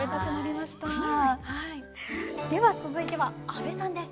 では続いては阿部さんです。